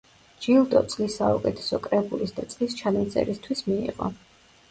ჯილდო, წლის საუკეთესო კრებულის და წლის ჩანაწერისთვის მიიღო.